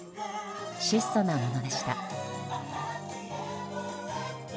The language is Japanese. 質素なものでした。